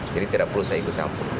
jadi tidak perlu saya ikut campur